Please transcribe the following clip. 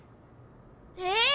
え！